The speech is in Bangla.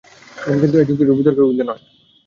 কিন্তু এ যুক্তিটিও বিতর্কের ঊর্ধ্বে নয়।